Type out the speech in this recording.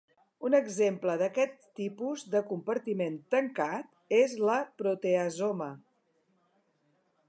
Un exemple d'aquest tipus de compartiment tancat és la proteasoma.